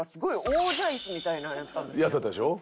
やつだったでしょ？